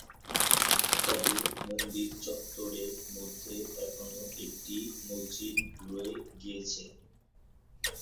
তবে মন্দির চত্বরের মধ্যে এখনও একটি মসজিদ রয়ে গিয়েছে।